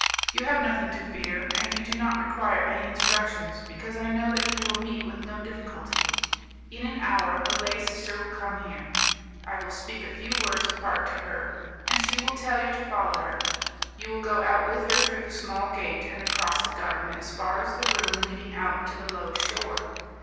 You have nothing to fear and you do not require any instructions, because I know that you will meet with no difficulty. In an hour, a lay sister will come here, I will speak a few words apart to her, and she will tell you to follow her. You will go out with her through the small gate and across the garden as far as the room leading out to the low shore.